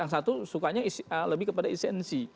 yang satu sukanya lebih kepada esensi